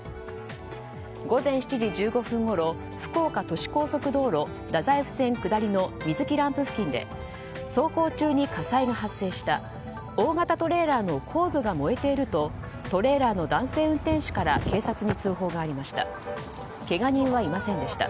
午前７時１５分ごろ福岡都市高速道路太宰府線下りの水城ランプ付近で走行中に火災が発生した大型トレーラーの後部が燃えているとトレーラーの男性運転手から警察に通報がありました。